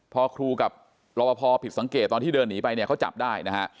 พอครูกับรอปภผิดสังเกตตอนที่เดินหนีไปเนี่ยเขาจับได้นะฮะ